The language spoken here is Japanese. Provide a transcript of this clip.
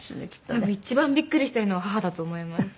多分一番ビックリしてるのは母だと思います。